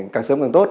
càng sớm càng tốt